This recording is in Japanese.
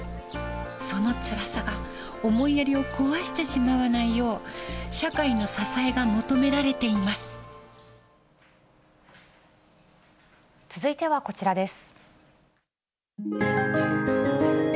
そのつらさが思いやりを壊してしまわないよう、社会の支えが求め続いてはこちらです。